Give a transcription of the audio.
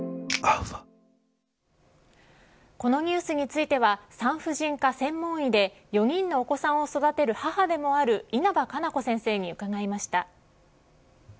このニュースについては産婦人科専門医で４人のお子さんを育てる母でもある稲葉可奈子先生に伺いました。